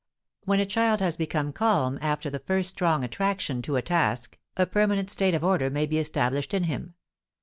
When a child has become calm after the first strong attraction to a task, a permanent state of order may be established in him.